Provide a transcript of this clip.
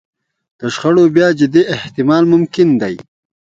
د شخړو بیا جدي احتمال ممکن دی.